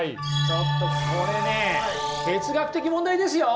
ちょっとこれね哲学的問題ですよ！